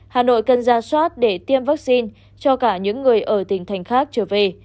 hà nội cần ra soát để tiêm vaccine cho cả những người ở tỉnh thành khác trở về